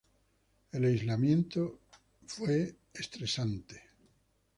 El aislamiento fue estresado.